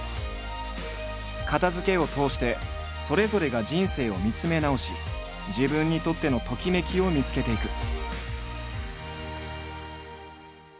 片づけを通してそれぞれが人生を見つめ直し自分にとってのときめきを見つけていく。